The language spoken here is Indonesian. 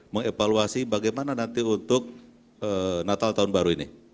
mengevaluasi bagaimana nanti untuk natal tahun baru ini